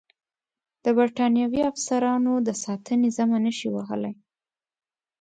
د برټانوي افسرانو د ساتنې ذمه نه شي وهلای.